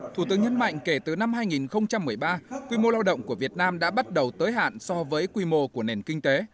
thủ tướng nhấn mạnh kể từ năm hai nghìn một mươi ba quy mô lao động của việt nam đã bắt đầu tới hạn so với quy mô của nền kinh tế